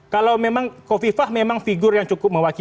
kalau memang kofifah memang figure yang cukup memungkinkan